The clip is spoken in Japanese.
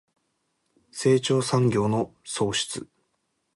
成長産業の創出